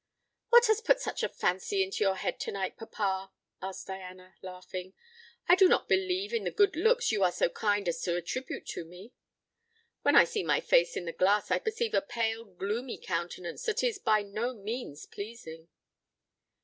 "What has put such a fancy into your head to night, papa?" asked Diana, laughing. "I do not believe in the good looks you are so kind as to attribute to me. When I see my face in the glass I perceive a pale gloomy countenance that is by no means pleasing."